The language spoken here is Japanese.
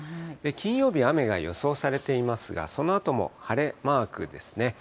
金曜日、雨が予想されていますが、そのあとも晴れマークですね。